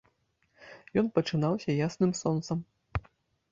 Ён пачынаўся ясным сонцам.